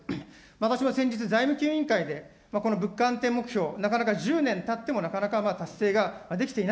私は先日、財務委員会で、この物価目標、なかなか１０年たってもなかなか達成ができてい